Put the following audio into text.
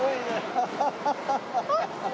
ハハハハ！